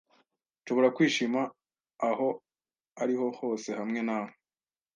Nshobora kwishima aho ariho hose hamwe nawe